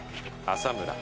浅村。